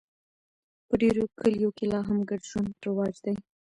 په ډېرو کلیو کې لا هم ګډ ژوند رواج دی.